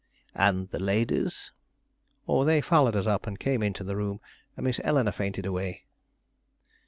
"And the ladies?" "Oh, they followed us up and came into the room and Miss Eleanore fainted away."